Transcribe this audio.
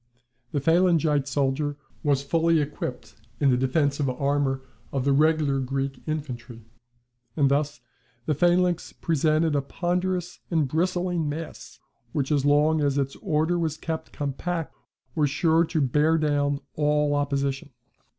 The phalangite soldier was fully equipped in the defensive armour of the regular Greek infantry. And thus the phalanx presented a ponderous and bristling mass, which as long as its order was kept compact, was sure to bear down all opposition.